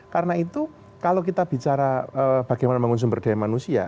karena itu kalau kita bicara bagaimana menggunakan sumber daya manusia